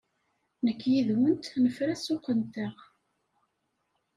Nekk yid-went nefra ssuq-nteɣ.